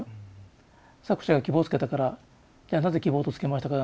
作者が「希望」をつけたから「じゃあなぜ『希望』とつけましたか？」